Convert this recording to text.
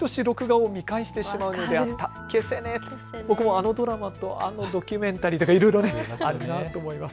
あのドラマと、あのドキュメンタリーといろいろあると思います。